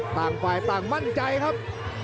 ต่างฝ่ายต่างมั่นใจครับ